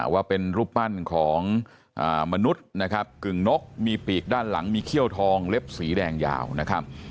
ว่าเป็นรูปปั้นของมนุษย์นะครับกึ่งนกมีปีกด้านหลังมีเขี้ยวทองเล็บสีแดงยาวนะครับ